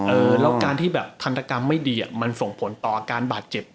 เออแล้วการที่แบบทันตกรรมไม่ดีมันส่งผลต่ออาการบาดเจ็บ